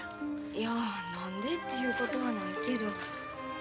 いや何でていうことはないけど。